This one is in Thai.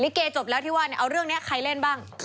ลิเกย์จบแล้วที่ว่าเอาเรื่องนี้ใครเล่นบ้าง